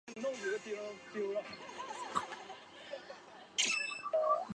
热基蒂巴是巴西米纳斯吉拉斯州的一个市镇。